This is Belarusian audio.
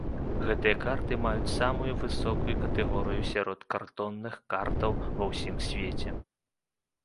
Гэтыя карты маюць самую высокую катэгорыю сярод кардонных картаў ва ўсім свеце.